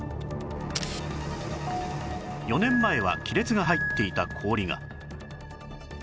４年前は亀裂が入っていた氷が